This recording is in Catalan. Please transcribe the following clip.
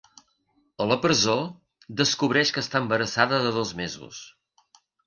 A la presó, descobreix que està embarassada de dos mesos.